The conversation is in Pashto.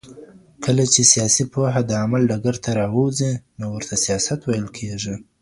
کله چي سیاسي پوهه د عمل ډګر ته راوځي نو ورته سیاست ویل کيږي.